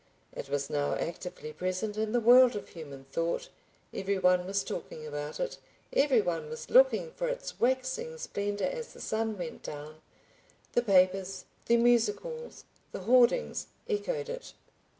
It was now actively present in the world of human thought, every one was talking about it, every one was looking for its waxing splendor as the sun went down—the papers, the music halls, the hoardings, echoed it.